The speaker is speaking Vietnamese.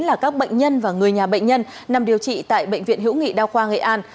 là các bệnh nhân và người nhà bệnh nhân nằm điều trị tại bệnh viện hữu nghị đa khoa nghệ an